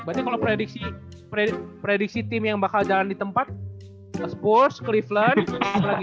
beda kalo prediksi tim yang bakal jalan di tempat spurs cleveland apa lagi